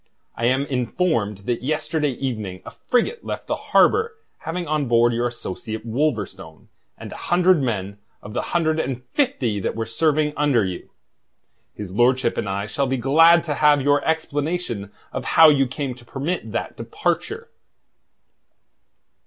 I am informed that yesterday evening a frigate left the harbour having on board your associate Wolverstone and a hundred men of the hundred and fifty that were serving under you. His lordship and I shall be glad to have your explanation of how you came to permit that departure."